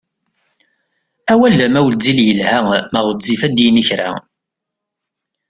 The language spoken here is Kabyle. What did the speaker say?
Awal ma wezzil yelha ma ɣezzif ad yini kra!